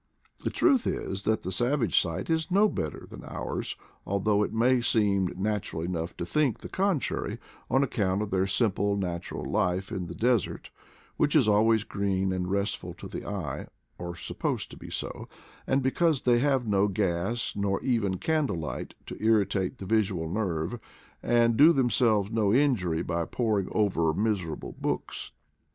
The truth is that the savage sight is no better than ours, although it might seem natural enough to think the contrary, 166 IDLE DAYS IN PATAGONIA on account of their simple natural life in the des ert, which is always green and restful to the eye, or supposed to be so ; and because they have no gas nor even candlelight to irritate the visual nerve, and do themselves no injury by poring over miserable books.